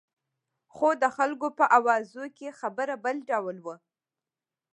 خو د خلکو په اوازو کې خبره بل ډول وه.